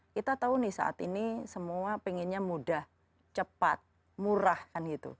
kita tahu nih saat ini semua pengennya mudah cepat murah kan gitu